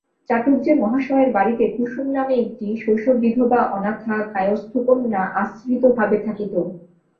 চাটুজ্যেমহাশয়ের বাড়িতে কুসুম নামে একটি শৈশববিধবা অনাথা কায়স্থকন্যা আশ্রিতভাবে থাকিত।